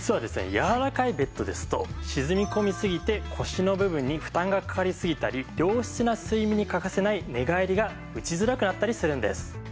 柔らかいベッドですと沈み込みすぎて腰の部分に負担がかかりすぎたり良質な睡眠に欠かせない寝返りが打ちづらくなったりするんです。